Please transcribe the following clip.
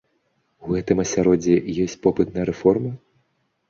У гэтым асяроддзі ёсць попыт на рэформы?